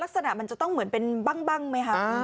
ลักษณะมันจะต้องเหมือนเป็นบั้งไหมคะ